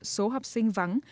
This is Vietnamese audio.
số học sinh vắng